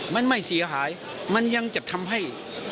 มันไม่เสียหายมันยังจะทำให้